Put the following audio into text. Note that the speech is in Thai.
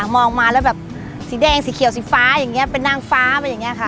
มองมาแล้วแบบสีแดงสีเขียวสีฟ้าอย่างนี้เป็นนางฟ้าเป็นอย่างนี้ค่ะ